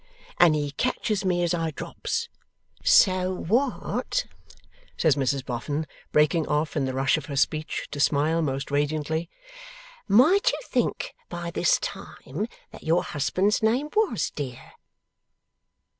And he catches me as I drops. So what,' says Mrs Boffin, breaking off in the rush of her speech to smile most radiantly, 'might you think by this time that your husband's name was, dear?